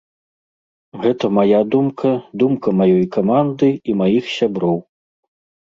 Гэта мая думка, думка маёй каманды і маіх сяброў.